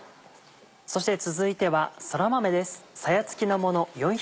そして続いてはそら豆です。